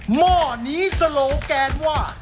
หม้อนี้สโลแกนว่า